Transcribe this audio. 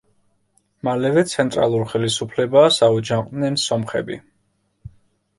მალევე ცენტრალურ ხელისუფლებას აუჯანყდნენ სომხები.